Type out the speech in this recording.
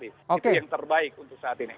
itu yang terbaik untuk saat ini